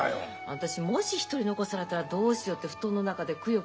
私もし一人残されたらどうしようって布団の中でクヨクヨ考えちゃって。